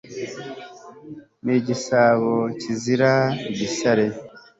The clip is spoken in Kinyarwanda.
Ni igisabo kizira igisare